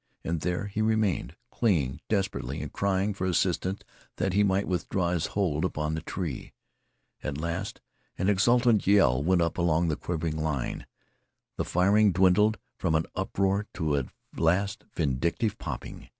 And there he remained, clinging desperately and crying for assistance that he might withdraw his hold upon the tree. At last an exultant yell went along the quivering line. The firing dwindled from an uproar to a last vindictive popping.